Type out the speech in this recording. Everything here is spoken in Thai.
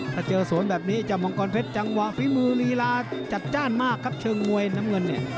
ถ้าเจอสวนแบบนี้เจ้ามังกรเพชรจังหวะฝีมือลีลาจัดจ้านมากครับเชิงมวยน้ำเงินเนี่ย